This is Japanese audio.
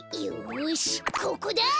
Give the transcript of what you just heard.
よしここだ！